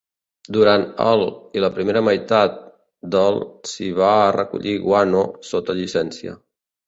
Durant el i la primera meitat del s'hi va recollir guano sota llicència.